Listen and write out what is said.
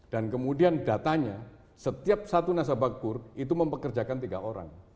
dan kemudian datanya setiap satu nasabah kur itu mempekerjakan tiga orang